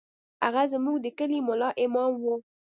هغه زموږ د کلي ملا امام و.